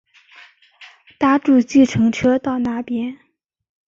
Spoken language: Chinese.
搭著计程车到那边